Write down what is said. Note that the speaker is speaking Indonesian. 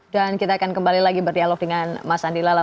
dan kita akan kembali lagi berdialog dengan mas andi lala